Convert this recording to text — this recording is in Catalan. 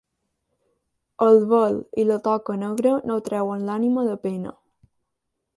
El vel i la toca negra no treuen l'ànima de pena.